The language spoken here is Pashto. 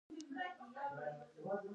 کلي هر چا دې پريښودلي ما بدنامه سره